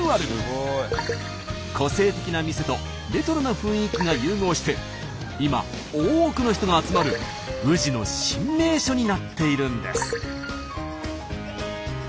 個性的な店とレトロな雰囲気が融合して今多くの人が集まる宇治の新名所になっているんです。